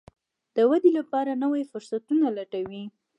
د ودې لپاره نوي فرصتونه لټوي.